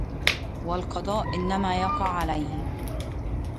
وَالْقَضَاءُ إنَّمَا يَقَعُ عَلَيْهِ